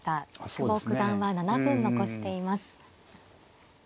久保九段は７分残しています。